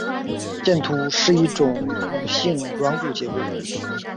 剑突是一骨性软骨结构。